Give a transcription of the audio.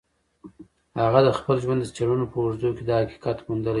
هغه د خپل ژوند د څېړنو په اوږدو کې دا حقیقت موندلی دی